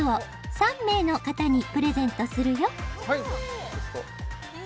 「３名の方にプレゼントするよ」